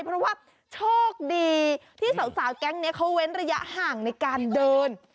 เพราะว่าโชคดีที่สาวแก๊งนี้เขาเว้นระยะห่างในการเดิน